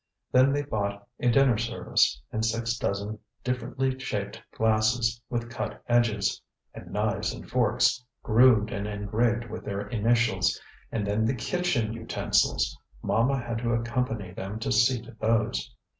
Then they bought a dinner service; and six dozen differently shaped glasses with cut edges; and knives and forks, grooved and engraved with their initials. And then the kitchen utensils! Mama had to accompany them to see to those.